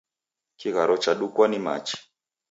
Kigharo chadukwa ni machi.